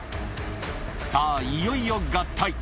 さあ、いよいよ合体。